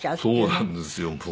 そうなんですよ。